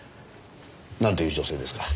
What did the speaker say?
なんという女性ですか？